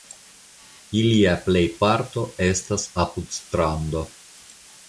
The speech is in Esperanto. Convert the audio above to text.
Ilia plejparto estas apud strando.